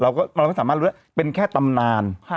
เราไม่สามารถรู้ได้เป็นแค่ตำนาน